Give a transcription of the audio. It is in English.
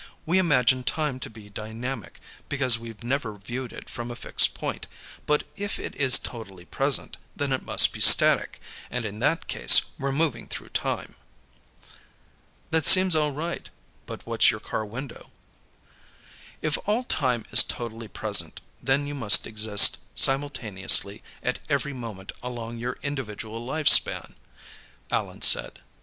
We imagine time to be dynamic, because we've never viewed it from a fixed point, but if it is totally present, then it must be static, and in that case, we're moving through time." "That seems all right. But what's your car window?" "If all time is totally present, then you must exist simultaneously at every moment along your individual life span," Allan said.